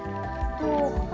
itu tuh tuh tuh